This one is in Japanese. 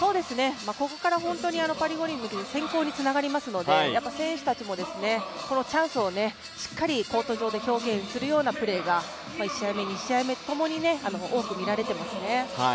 ここからパリ五輪の選考につながりますので選手たちもこのチャンスをしっかりコート上で表現するようなプレーが１試合目、２試合目、ともに多く見られていますね。